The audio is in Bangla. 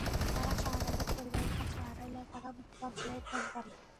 তারা শাহাদাতের পরিবারের কাছে আড়াই লাখ টাকা মুক্তিপণ চেয়েও ফোন করে।